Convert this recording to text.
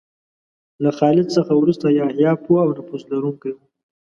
له خالد څخه وروسته یحیی پوه او نفوذ لرونکی و.